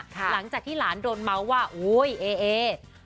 หลังจากที่หลานโดนเมาส์ว่าโอ๊ยเอเอ